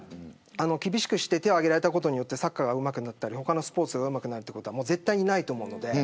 手をあげられたことでサッカーがうまくなったり他のスポーツがうまくなることは絶対にないと思うので。